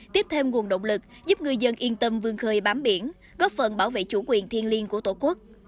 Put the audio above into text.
tiếp thêm nguồn động lực giúp ngư dân yên tâm vươn khơi bám biển góp phần bảo vệ chủ quyền thiên liêng của tổ quốc